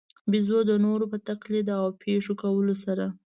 بېزو د نورو په تقلید او پېښو کولو سره.